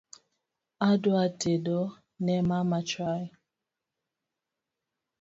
Adwa tedo ne mama chai